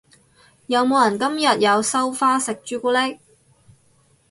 有冇人今日有收花食朱古力？